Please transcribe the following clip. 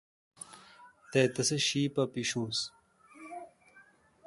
تے تسے°شی پیچونس پا۔